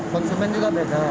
konsumen juga beda